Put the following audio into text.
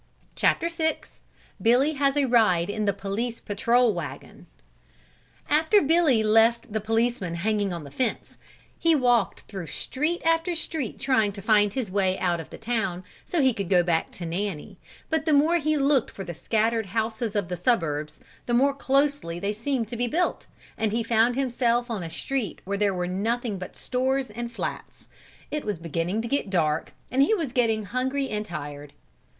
Billy Has a Ride in the Police Patrol Wagon After Billy left the policeman hanging on the fence, he walked through street after street trying to find his way out of the town, so he could go back to Nanny, but the more he looked for the scattered houses of the suburbs, the more closely they seemed to be built, and he found himself on a street where there were nothing but stores and flats. It was beginning to get dark and he was getting hungry and tired.